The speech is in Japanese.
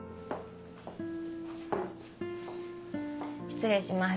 失礼します。